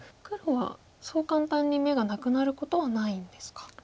黒はそう簡単に眼がなくなることはないんですか。